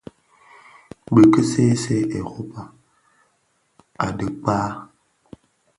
Bi ki ki see see Europa, adhi kpaa,